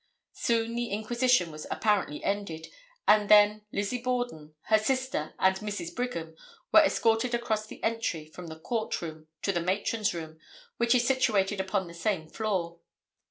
Soon the inquisition was apparently ended, and then Lizzie Borden, her sister and Mrs. Brigham were escorted across the entry from the court room to the matron's room, which is situated upon the same floor.